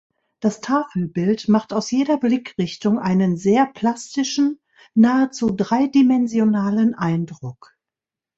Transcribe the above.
Das Tafelbild macht aus jeder Blickrichtung einen sehr plastischen nahezu dreidimensionalen Eindruck.